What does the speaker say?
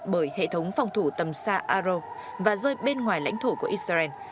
bởi hệ thống phòng thủ tầm xa aro và rơi bên ngoài lãnh thổ của israel